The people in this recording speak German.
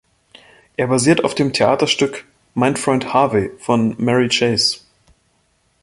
Er basiert auf dem Theaterstück "Mein Freund Harvey" von Mary Chase.